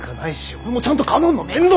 俺もちゃんと佳音の面倒を。